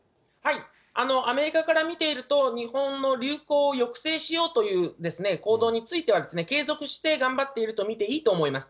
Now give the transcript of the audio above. アメリカから見ていると、日本の流行を抑制しようという行動については、継続して頑張っていると見ていいと思います。